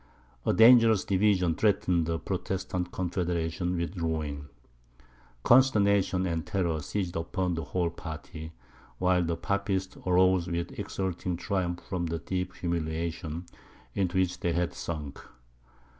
A dangerous division threatened the Protestant Confederation with ruin. Consternation and terror seized upon the whole party; while the Papists arose with exulting triumph from the deep humiliation into which they had sunk.